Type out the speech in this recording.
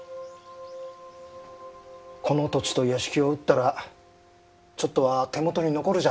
この土地と屋敷を売ったらちょっとは手元に残るじゃろう。